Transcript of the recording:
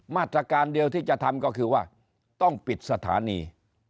มาตรการเดียวที่จะทำก็คือว่าต้องปิดสถานี